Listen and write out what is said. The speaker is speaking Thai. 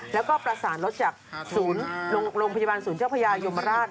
แล้วก็ประสานรถจากศูนย์โรงพยาบาลศูนย์เจ้าพญายมราช